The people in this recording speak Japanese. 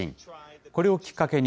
これをきっかけに、＃